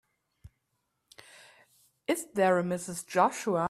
Is there a Mrs. Joshua?